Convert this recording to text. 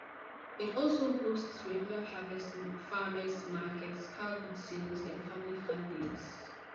It also hosts regular Harvest farmer's markets, car boot sales and family fun days.